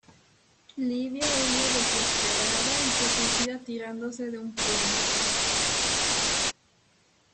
Libia huye desesperada y se suicida tirándose de un puente.